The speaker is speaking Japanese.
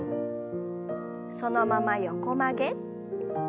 そのまま横曲げ。